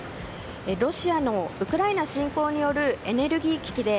ロシアのウクライナ侵攻によるエネルギー危機で